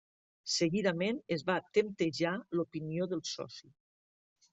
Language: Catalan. Seguidament es va temptejar l’opinió del soci.